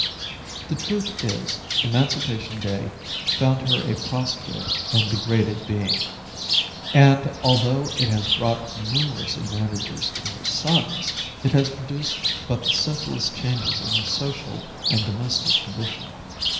The truth is, "Emancipation Day" found her a prostrate and degraded being; and, although it has brought numerous advantages to her sons, it has produced but the simplest changes in her social and domestic condition.